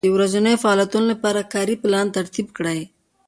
د ورځنیو فعالیتونو لپاره کاري پلان ترتیب کړئ.